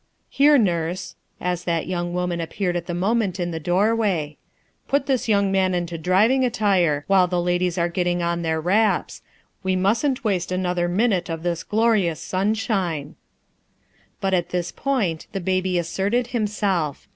" Here, nurse," as that young woman appeared at the nionien t in the doorway. M Put this young man into driving attire, while the ladies are get ting on their wraps. Wc mustn't waste another minute of tins glorious sunshine." But at this point the baby asserted himself.